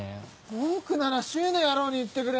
文句なら柊の野郎に言ってくれ。